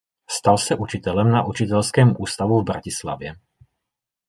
Stal se učitelem na Učitelském ústavu v Bratislavě.